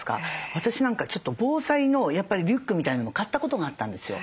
私なんかちょっと防災のリュックみたいのも買ったことがあったんですよ。